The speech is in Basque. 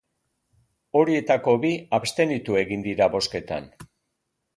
Horietako bi abstenitu egin dira bozketan.